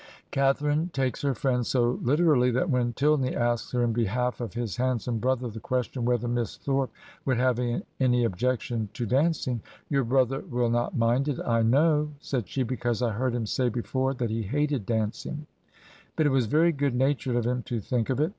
" Catharine takes her friend so literally that when Til ney asks her in behalf of his handsome brother the question whether Miss Thorp would have any objection to dancing, "'Your brother wiU not mind it, I know,' said she, ' because I heard him say before that he hated dancing ; but it was very good natured of him to think of it.